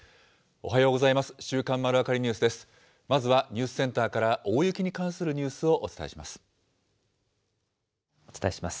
おはようございます。